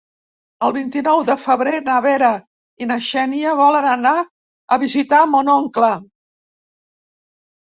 El vint-i-nou de febrer na Vera i na Xènia volen anar a visitar mon oncle.